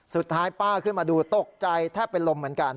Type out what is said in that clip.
ป้าขึ้นมาดูตกใจแทบเป็นลมเหมือนกัน